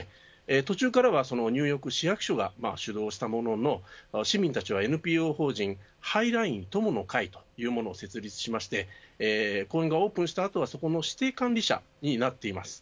途中からはニューヨーク市役所が主導したものの市民たちはＮＰＯ法人ハイライン友の会というものを設立しましてオープンした後はその指定管理者になっています。